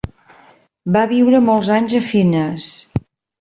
Va viure molts anys a Fines.